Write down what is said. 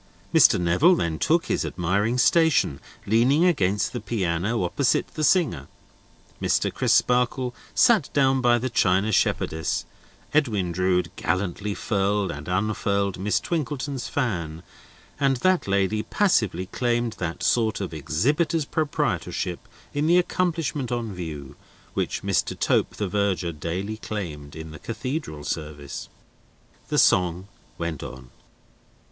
Mr. Neville then took his admiring station, leaning against the piano, opposite the singer; Mr. Crisparkle sat down by the china shepherdess; Edwin Drood gallantly furled and unfurled Miss Twinkleton's fan; and that lady passively claimed that sort of exhibitor's proprietorship in the accomplishment on view, which Mr. Tope, the Verger, daily claimed in the Cathedral service. [Illustration: At the piano] The song went on.